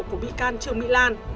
của bị can trương mỹ lan